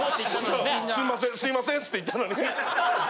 すいませんすいませんつって行ったのに。